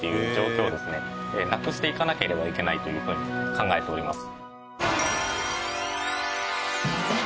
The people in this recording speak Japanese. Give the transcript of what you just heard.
なくしていかなければいけないというふうに考えております。